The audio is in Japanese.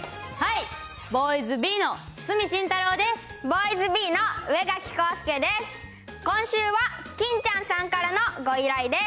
ボーイズビーの角紳太郎です。